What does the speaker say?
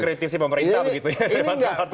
kritis pemerintah begitu ya